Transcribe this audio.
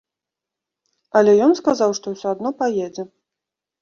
Але ён сказаў, што ўсё адно паедзе.